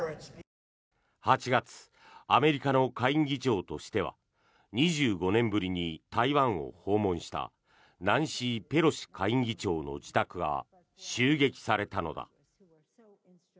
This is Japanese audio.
８月アメリカの下院議長としては２５年ぶりに台湾を訪問したナンシー・ペロシ下院議長の自宅が襲撃されたのだ。